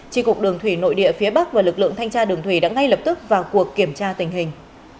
tri cục đường thủy nội địa phía bắc và lực lượng thanh tra đường thủy đã ngay lập tức vào cuộc kiểm tra tình hình